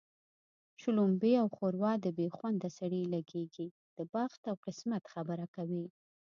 شلومبې او ښوروا د بې خونده سړي لږېږي د بخت او قسمت خبره کوي